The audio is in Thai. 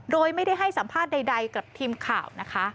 โดยไม่ได้ให้สัมภาษณ์ใดกับทีมข่าวนะคะ